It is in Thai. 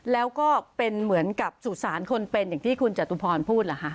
แล้วก็เป็นเหมือนกับสุสานคนเป็นอย่างที่คุณจตุพรพูดเหรอคะ